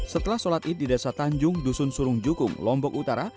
setelah sholat id di desa tanjung dusun surung jukung lombok utara